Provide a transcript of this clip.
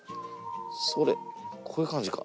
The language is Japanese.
それっこういう感じか？